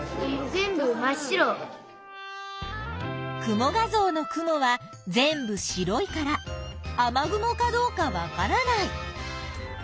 雲画像の雲は全部白いから雨雲かどうかわからない。